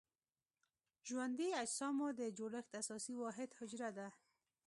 ژوندي اجسامو د جوړښت اساسي واحد حجره ده.